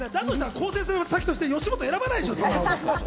更生する先として吉本、選ばないでしょ！